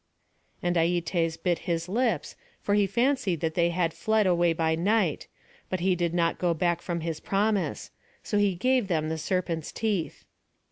And Aietes bit his lips, for he fancied that they had fled away by night; but he could not go back from his promise; so he gave them the serpents' teeth.